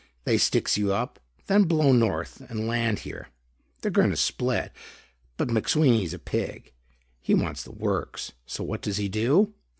They sticks you up, then blow North and land here. They're going to split, but McSweeney's a pig. He wants the works. So what does he do?